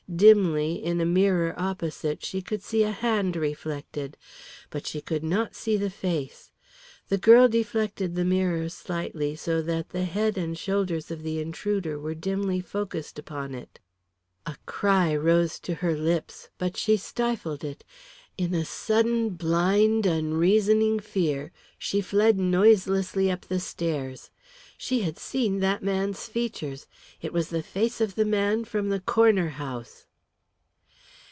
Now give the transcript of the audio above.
Dimly, in a mirror opposite, she could see a hand reflected. But she could not see the face. The girl deflected the mirror slightly, so that the head and shoulders of the intruder were dimly focused upon it. A cry rose to her lips, but she stifled it. In a sudden, blind, unreasoning fear she fled noiselessly up the stairs. She had seen that man's features. It was the face of the man from the Corner House!